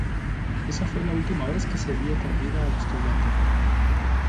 Esa fue la última vez que se vio con vida al estudiante.